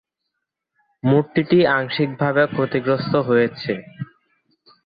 মূর্তিটি আংশিকভাবে ক্ষতিগ্রস্ত হয়েছে।